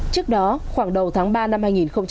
trước đó khoảng đầu tháng ba năm hai nghìn một mươi chín